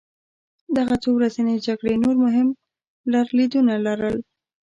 دغه څو ورځنۍ جګړې نور مهم لرلېدونه لرل.